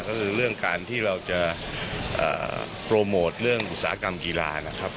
ก็คือเรื่องการที่เราจะโปรโมทเรื่องอุตสาหกรรมกีฬานะครับ